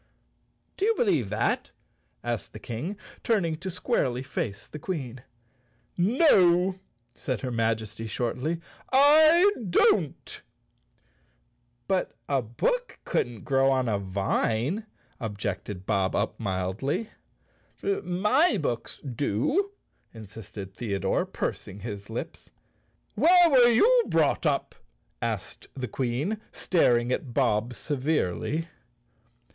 "Do you believe that?" asked the King, turning to squarely face the Queen. "No!" said her Majesty shortly, "I don't." "But a bo(Ok couldn't grow on a vine," objected Bob Up mildly. "My books do," insisted Theodore, pursing up his lips. "Where were you brought up?" asked the Queen, staring at Bob severely.